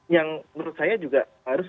yang menurut saya juga harus